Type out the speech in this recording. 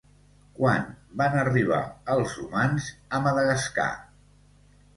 Quan van arribar els humans a Madagascar?